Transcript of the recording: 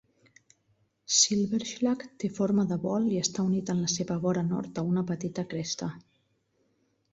Silberschlag té forma de bol i està unit en la seva vora nord a una petita cresta.